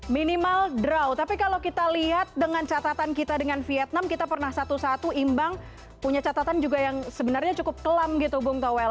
minimal draw tapi kalau kita lihat dengan catatan kita dengan vietnam kita pernah satu satu imbang punya catatan juga yang sebenarnya cukup kelam gitu bung towel